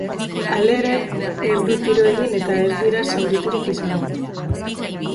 Halere, ez du tiro egin eta ez dira zauriturik izan.